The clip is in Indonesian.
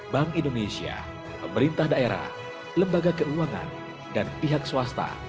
bank indonesia pemerintah daerah lembaga keuangan dan pihak swasta